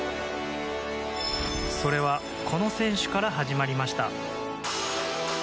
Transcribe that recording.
それはこの選手から始まりました。